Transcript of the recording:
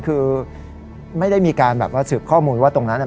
คือไม่ได้มีการแบบว่าสืบข้อมูลว่าตรงนั้นน่ะ